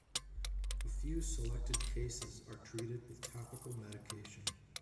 A few selected cases are treated with topical medication.